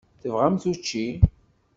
Tebɣamt učči?